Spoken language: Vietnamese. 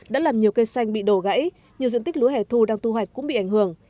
đã làm nhiều cây xanh bị đổ gãy nhiều diện tích lúa hẻ thu đang tu hoạch cũng bị ảnh hưởng